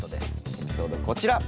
エピソードこちら。